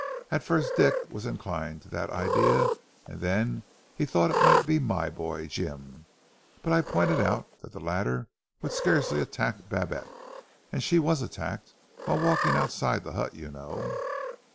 At first Dick was inclined to that idea, and then he thought it might be my boy, Jim; but I pointed out that the latter would scarcely attack Babette, and she was attacked whilst walking outside the hut, you know."